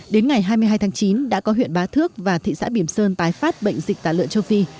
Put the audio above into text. đến ngày hai mươi hai tháng chín đã có huyện bá thước và thị xã biểm sơn tái phát bệnh dịch tả lợn châu phi